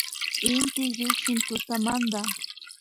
Inti llukshin tutamanta